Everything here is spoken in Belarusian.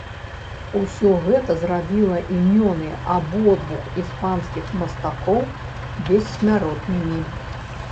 Усё гэта зрабіла імёны абодвух іспанскіх мастакоў бессмяротнымі.